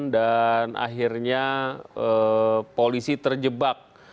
dan akhirnya polisi terjebak